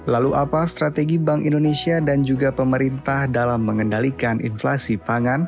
lalu apa strategi bank indonesia dan juga pemerintah dalam mengendalikan inflasi pangan